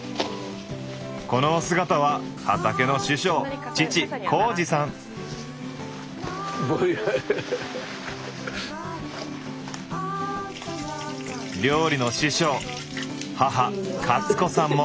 このお姿は料理の師匠母・カツ子さんも。